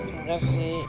iya juga sih